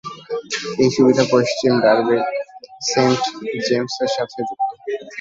এর সুবিধা পশ্চিম ডার্বির সেন্ট জেমসের সাথে যুক্ত।